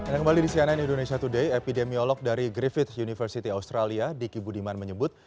dan kembali di cnn indonesia today epidemiolog dari griffith university australia diki budiman menyebut